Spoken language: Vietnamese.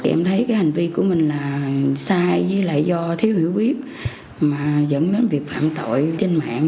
em thấy cái hành vi của mình là sai với là do thiếu hiểu biết mà dẫn đến việc phạm tội trên mạng